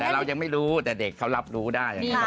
และเรายังไม่รู้แต่เด็กเค้ารับรู้ได้